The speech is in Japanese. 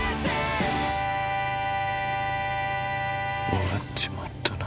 終わっちまったな。